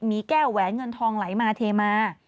มีแก้วแหวนเงินทองไหลมาเทมา